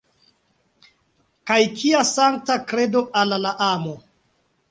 Kaj kia sankta kredo al la amo!